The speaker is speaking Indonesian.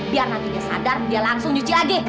biar nanti dia sadar dia langsung nyuci lagi